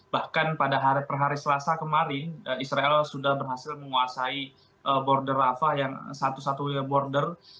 bahkan pada per hari selasa kemarin israel sudah berhasil menguasai border rafa yang satu satunya border